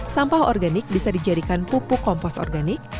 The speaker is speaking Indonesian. sampah organik bisa dijadikan pupuk kompos organik